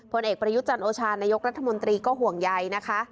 ผลเอกประยุจันโอชานายกรัฐมนตรีก็ห่วงใยนะคะ